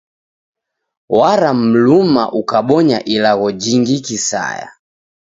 Waramluma ukabonya ilagho jingi kisaya.